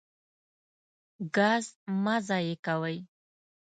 ګاز مه ضایع کوئ.